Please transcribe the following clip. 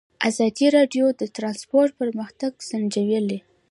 ازادي راډیو د ترانسپورټ پرمختګ سنجولی.